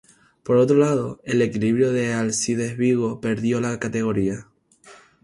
Por otro lado, el equipo de Alcides Vigo perdió la categoría.